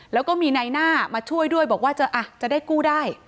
แล้วก็มีในหน้ามาช่วยด้วยบอกว่าจะได้กู้ได้